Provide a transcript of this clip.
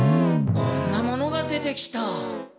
こんなものが出てきた。